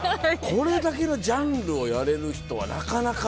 これだけのジャンルをやれる人はなかなか。